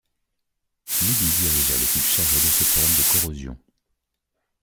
Libby dirigea l'équipe chargée de ce problème de corrosion.